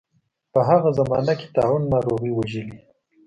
په هغه زمانه کې طاعون ناروغۍ وژلي.